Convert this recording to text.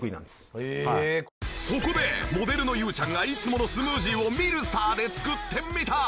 そこでモデルのユウちゃんがいつものスムージーをミルサーで作ってみた。